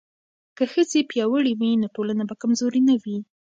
که ښځې پیاوړې وي نو ټولنه به کمزورې نه وي.